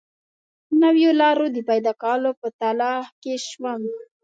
نویو لارو د پیدا کولو په تلاښ کې شوم.